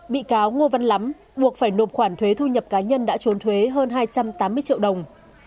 bị cáo ngô văn lắm buộc phải nộp khoản thuế thu nhập cá nhân đã trốn thuế hơn hai trăm tám mươi triệu đồng